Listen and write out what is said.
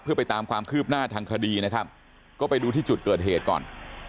เพื่อไปตามความคืบหน้าทางคดีนะครับก็ไปดูที่จุดเกิดเหตุก่อน